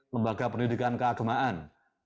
lembaga pendidikan keagamaan